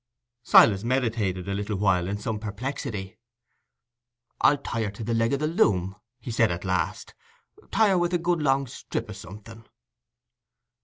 Silas meditated a little while in some perplexity. "I'll tie her to the leg o' the loom," he said at last—"tie her with a good long strip o' something."